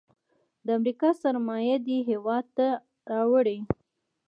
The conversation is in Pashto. د امریکا سرمایه دې هیواد ته راوړي.